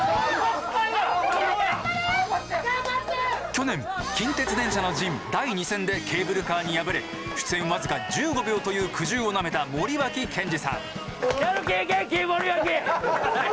去年「近鉄電車の陣第２戦」でケーブルカーに敗れ出演僅か１５秒という苦汁をなめた森脇健児さん。